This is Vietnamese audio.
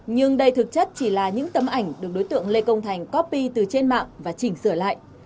nhưng đây thực chất chỉ là những tấm ảnh được đối tượng lê công thành copy từ trên mạng và chỉnh sửa lại